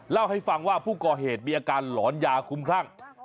เล่าให้ฟังว่าผู้ก่อเหตุมีอาการหลอนยาคุ้มคลั่ง